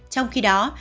trong khi đó